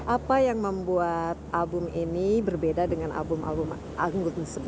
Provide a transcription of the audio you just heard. apa yang membuat album ini berbeda dengan album album anggun sebelumnya